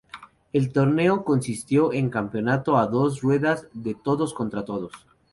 El torneo consistió en un campeonato a dos ruedas de todos contra todos.